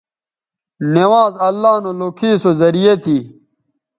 نوانز اللہ نو لوکھے سو زریعہ تھی